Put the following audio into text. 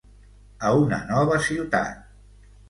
A una nova ciutat.